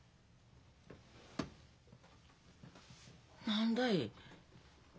何だい？